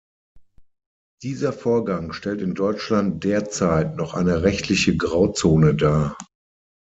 Dieser Vorgang stellt in Deutschland derzeit noch eine rechtliche Grauzone dar.